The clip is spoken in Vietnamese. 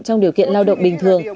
trong điều kiện lao động bình thường